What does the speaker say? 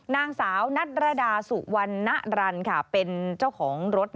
นางสาวนัทรดาสุวรรณรันเป็นเจ้าของรถ